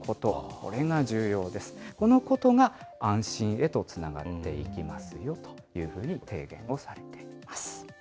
このことが安心へとつながっていきますよというふうに提言をされています。